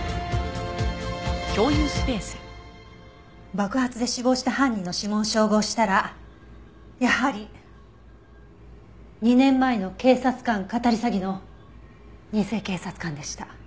爆発で死亡した犯人の指紋を照合したらやはり２年前の警察官かたり詐欺の偽警察官でした。